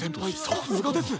さすがです！